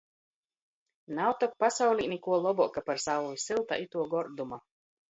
Nav tok pasaulī nikuo lobuoka par sauvi sylta ituo gorduma!